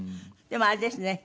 でもあれですね。